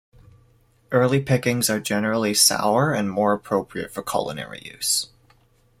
Early pickings are generally sour and more appropriate for culinary use.